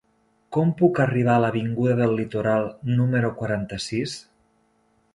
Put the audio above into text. Com puc arribar a l'avinguda del Litoral número quaranta-sis?